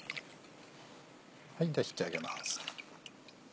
では引きあげます。